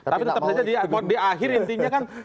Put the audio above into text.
tapi tetap saja di akhir intinya kan